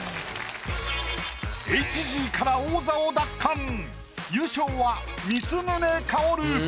ＨＧから王座を奪還優勝は光宗薫。